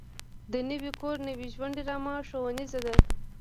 د نوي کور نوي ژوند ډرامه ښوونیزه ده.